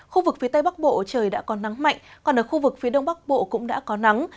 khu vực phía tây bắc bộ trời đã còn nắng mạnh còn ở khu vực phía đông bắc bộ cũng đã có nắng